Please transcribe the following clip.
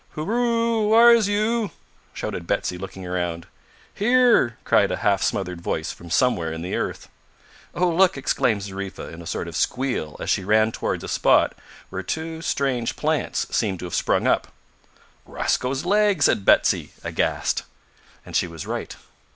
"Hooroo! whar' is you?" shouted Betsy, looking round. "Here!" cried a half smothered voice from somewhere in the earth. "Oh! look!" exclaimed Zariffa in a sort of squeal as she ran towards a spot where two strange plants seemed to have sprung up. "Rosco's legs!" said Betsy, aghast. And she was right.